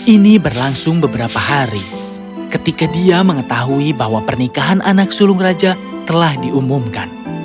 ini berlangsung beberapa hari ketika dia mengetahui bahwa pernikahan anak sulung raja telah diumumkan